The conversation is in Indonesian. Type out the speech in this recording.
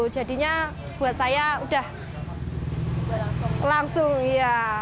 jadinya buat saya udah langsung ya